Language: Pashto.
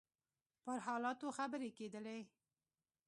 پر حالاتو خبرې کېدلې.